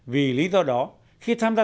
vì lý do đó khi tham gia